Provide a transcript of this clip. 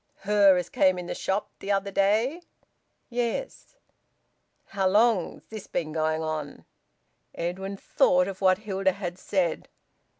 "Her as came in the shop the other day?" "Yes." "How long's this been going on?" Edwin thought of what Hilda had said.